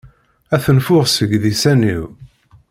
Ad t-nfuɣ seg disan-iw.